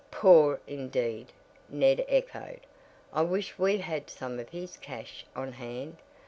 "Poor indeed!" Ned echoed. "I wish we had some of his cash on hand.